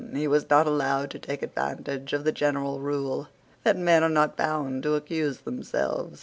He was not allowed to take advantage of the general rule, that men are not bound to accuse themselves.